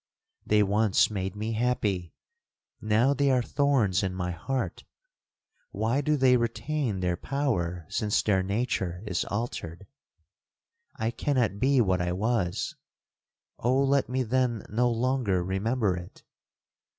They once made me happy, now they are thorns in my heart! Why do they retain their power since their nature is altered? I cannot be what I was—Oh, let me then no longer remember it!